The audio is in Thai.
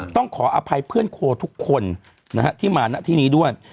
ต้องขออภัยเพื่อนโคทุกคนที่มาณที่นี้ด้วย